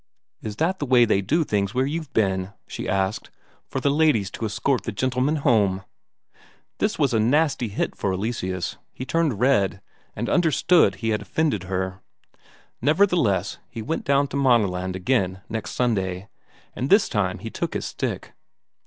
"Is that the way they do things where you've been," she asked "for the ladies to escort the gentlemen home?" That was a nasty hit for Eleseus; he turned red, and understood he had offended her. Nevertheless, he went down to Maaneland again next Sunday, and this time he took his stick.